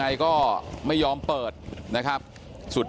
ตำรวจต้องไล่ตามกว่าจะรองรับเหตุได้